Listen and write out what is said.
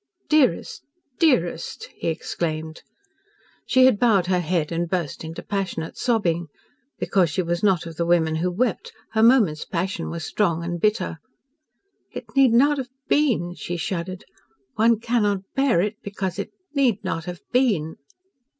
Dearest! Dearest!" he exclaimed. She had bowed her head and burst into passionate sobbing. Because she was not of the women who wept, her moment's passion was strong and bitter. "It need not have been!" she shuddered. "One cannot bear it because it need not have been!"